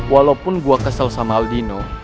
walaupun gua kesel sama aldino